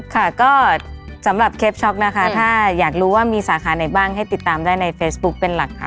ค่ะก็สำหรับเคปช็อกนะคะถ้าอยากรู้ว่ามีสาขาไหนบ้างให้ติดตามได้ในเฟซบุ๊คเป็นหลักค่ะ